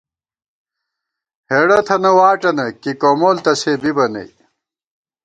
ہېڑہ تھنہ واٹَنہ ، کی کومول تہ سے بِبہ نئ